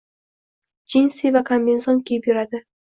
Jinsi va kombenzon kiyib yuradi.